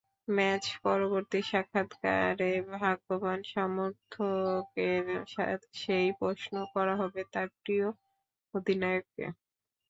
ম্যাচ-পরবর্তী সাক্ষাৎকারে ভাগ্যবান সমর্থকের সেই প্রশ্ন করা হবে তাঁর প্রিয় অধিনায়ককে।